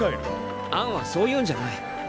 アンはそういうんじゃない。